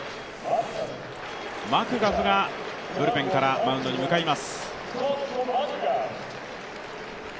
マクガフがブルペンからマウンドに向かいます。